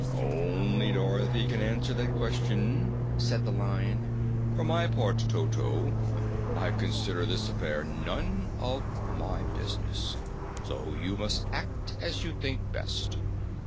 "Only Dorothy can answer that question," said the Lion. "For my part, Toto, I consider this affair none of my business, so you must act as you think best."